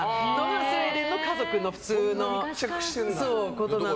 スウェーデンの家族の普通のことなので。